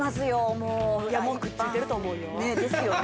もうフライパンもうくっついてると思うよですよね